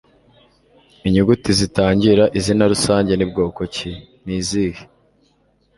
Inyuguti zitangira izina rusange ni bwoko ki? Ni izihe?